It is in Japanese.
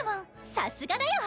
さすがだよ